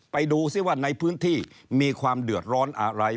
ไปดูซิว่าในพื้นที่มีความเดือดร้อนอะไร